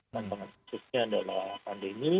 tantangan khususnya adalah pandemi